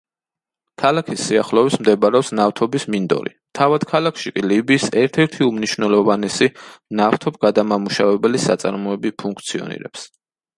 ქალაქის სიახლოვეს მდებარეობს ნავთობის მინდორი, თავად ქალაქში კი ლიბიის ერთ-ერთი უმნიშვნელოვანესი ნავთობგადამამუშავებელი საწარმოები ფუნქციონირებს.